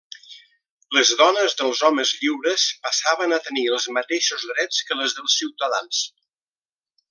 Les dones dels homes lliures passaven a tenir els mateixos drets que les dels ciutadans.